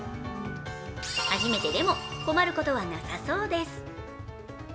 初めてでも困ることはなさそうです。